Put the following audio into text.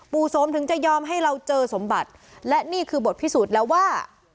สมถึงจะยอมให้เราเจอสมบัติและนี่คือบทพิสูจน์แล้วว่า